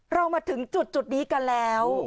เรามาถึงจุดนี้กันแล้ว